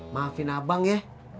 maafin abang ya